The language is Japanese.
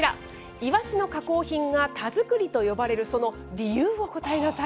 イワシの加工品が田作りと呼ばれるその理由を答えなさい。